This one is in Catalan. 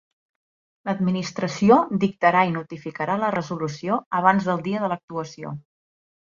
L'Administració dictarà i notificarà la resolució abans del dia de l'actuació.